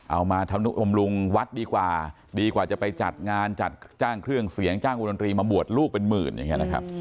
เอามาทำนุบำรุงวัดดีกว่าดีกว่าจะไปจัดงานจัดจ้างเครื่องเสียงจ้างวงดนตรีมาบวชลูกเป็นหมื่นอย่างนี้นะครับ